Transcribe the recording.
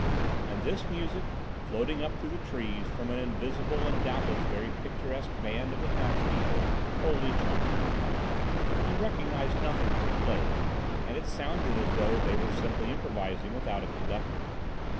And this music floating up through the trees from an invisible and doubtless very picturesque band of the townspeople wholly charmed him. He recognised nothing that they played, and it sounded as though they were simply improvising without a conductor.